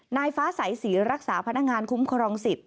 นายฟ้าสายศรีรักษาพนักงานคุ้มครองสิทธิ